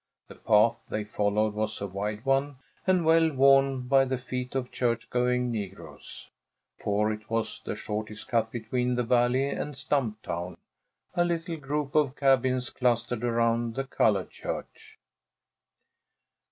The path they followed was a wide one, and well worn by the feet of churchgoing negroes, for it was the shortest cut between the Valley and Stumptown, a little group of cabins clustered around the colored church.